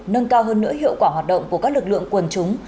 nâng cao hơn nữa hiệu quả hoạt động của các lực lượng quần chúng